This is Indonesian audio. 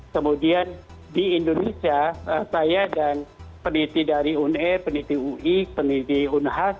kemudian di indonesia saya dan peneliti dari une peneliti ui peneliti unhas